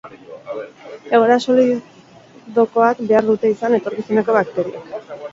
Egoera solidokoak behar dute izan etorkizuneko bateriek.